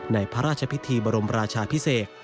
ในพระราชพิธีบรมราชาพิเศษ